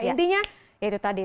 intinya ya itu tadi